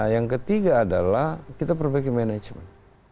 yang ketiga adalah kita perbaiki manajemen